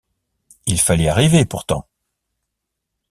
Il fallait arriver pourtant.